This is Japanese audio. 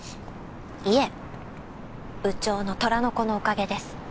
いえ部長の虎の子のおかげです。